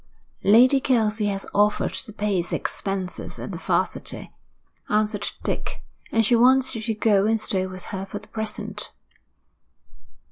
'Lady Kelsey has offered to pay his expenses at the 'Varsity,' answered Dick, 'and she wants you to go and stay with her for the present.'